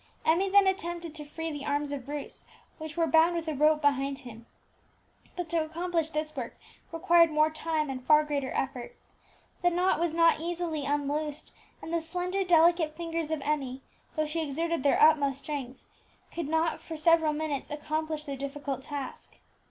Emmie then attempted to free the arms of Bruce, which were bound with a rope behind him; but to accomplish this work required more time and far greater effort. The knot was not easily unloosed, and the slender delicate fingers of Emmie, though she exerted their utmost strength, could not for several minutes accomplish their difficult task.